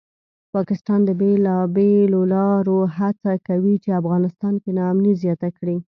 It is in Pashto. پاکستان د بېلابېلو لارو هڅه کوي چې افغانستان کې ناامني زیاته کړي